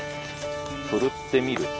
ふるってみると。